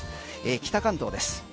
北関東です。